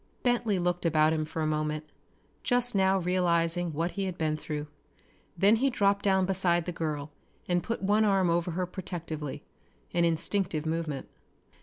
Bentley looked about him for a moment, just now realizing what he had been through. Then he dropped down beside the girl, and put one arm over her protectively, an instinctive movement.